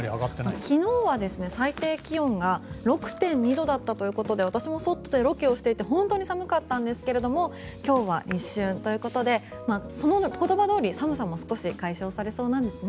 昨日は最低気温が６．２度だったということで私も外でロケをしていて本当に寒かったんですけれど今日は立春ということでその言葉どおり寒さも少し解消されそうなんですね。